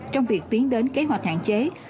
trong việc tiến đến kế hoạch hành động